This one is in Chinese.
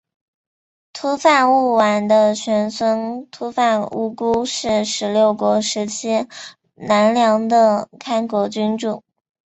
秃发务丸的玄孙秃发乌孤是十六国时期南凉的开国君主。